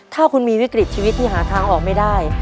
ถ้าคุณมีวิกฤตชีวิตที่หาทางออกไม่ได้